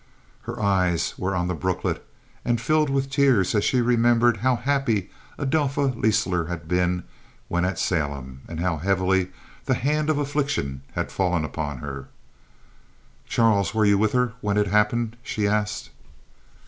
Her eyes were on the brooklet and filled with tears, as she remembered how happy Adelpha Leisler had been when at Salem, and how heavily the hand of affliction had fallen upon her. "Charles, were you with her when it happened?" she asked.